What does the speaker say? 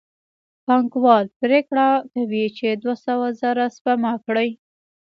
پانګوال پرېکړه کوي چې دوه سوه زره سپما کړي